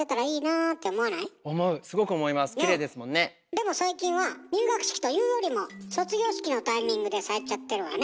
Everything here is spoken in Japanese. でも最近は入学式というよりも卒業式のタイミングで咲いちゃってるわねえ。